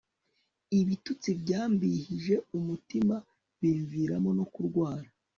ibitutsi byambihije umutima, bimviramo no kurwara